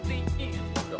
kenapa ini gantiin